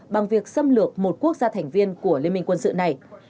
bằng việc xâm lược một quốc gia thành viên của liên minh quân sự này